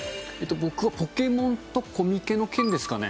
僕はポケモンとコミケの件ですかね。